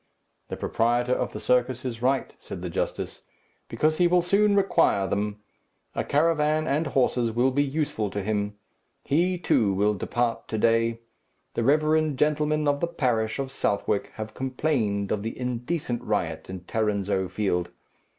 "The proprietor of the circus is right," said the justice, "because he will soon require them. A caravan and horses will be useful to him. He, too, will depart to day. The reverend gentlemen of the parish of Southwark have complained of the indecent riot in Tarrinzeau field.